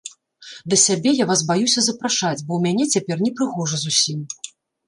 Да сябе я вас баюся запрашаць, бо ў мяне цяпер непрыгожа зусім.